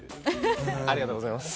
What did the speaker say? ありがとうございます。